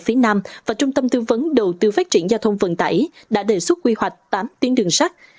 phía nam và trung tâm tư vấn đầu tư phát triển giao thông vận tải đã đề xuất quy hoạch tám tuyến đường sắt